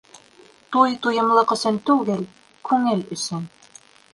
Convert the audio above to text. Туй туйымлыҡ өсөн түгел, күңел өсөн.